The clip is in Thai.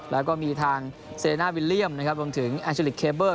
แล้วก็มีทางเซเลน่าวิลเลี่ยมรวมถึงแอลเจลิคเคเบอร์